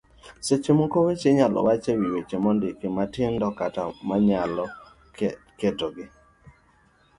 seche moko weche inyalo wach e wi weche mondik matindo kata inyalo ketgi